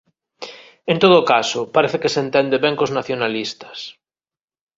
En todo caso, parece que se entende ben cos nacionalistas.